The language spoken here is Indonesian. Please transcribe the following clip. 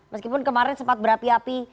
meskipun kemarin sempat berapi api